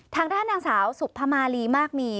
ทางด้านนางสาวสุพมาลีมากมี